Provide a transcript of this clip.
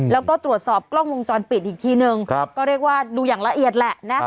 แล้วก็ตรวจสอบกล้องวงจรปิดอีกทีนึงก็เรียกว่าดูอย่างละเอียดแหละนะ